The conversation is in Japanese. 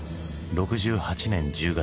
６８年１０月。